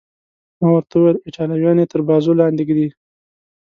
ما ورته وویل: ایټالویان یې تر بازو لاندې ږدي.